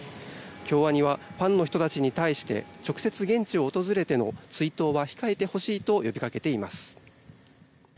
京アニはファンの人たちに対して直接現地を訪れての追悼は控えてほしいと呼びかけています。